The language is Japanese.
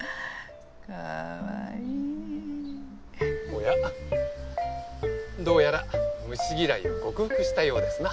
おやどうやら虫嫌いを克服したようですな。